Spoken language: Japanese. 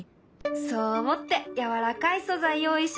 そう思ってやわらかい素材用意しました。